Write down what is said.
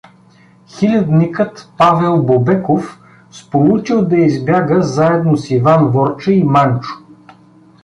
Хилядникът Павел Бобеков сполучил да избяга заедно с Иван Ворча и Манчо.